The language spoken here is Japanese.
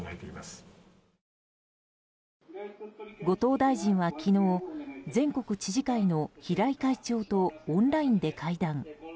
後藤大臣は昨日全国知事会の平井会長とオンラインで会談。